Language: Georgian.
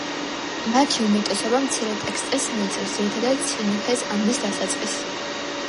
მათი უმეტესობა მცირე ტექსტებს მოიცავს, ძირითადად სინუჰეს ამბის დასაწყისს.